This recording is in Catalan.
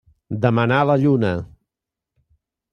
Demanar la lluna.